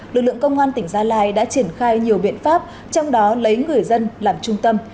lực lượng công an tỉnh gia lai đã triển khai nhiều biện pháp trong đó lấy người dân làm trung tâm